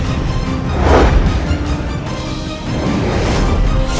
aku mau kesana